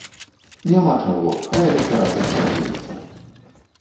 Няма чаго, хай электарат адцягваецца!